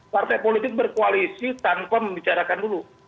partai politik berkoalisi tanpa membicarakan dulu